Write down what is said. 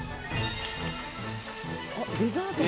あっデザートも。